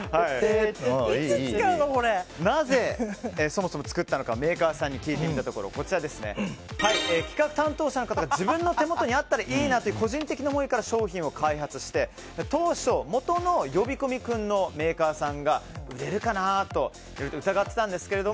そもそも、なぜ作ったのかメーカーさんに聞いたところ企画担当者の方が自分の手元にあったらいいなという個人的な思いから商品を開発して当初、もとの呼び込み君のメーカーさんが売れるかな？と疑っていたんですが、